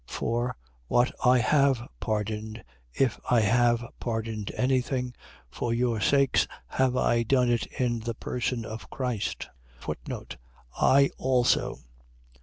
For, what I have pardoned, if I have pardoned any thing, for your sakes have I done it in the person of Christ: I also.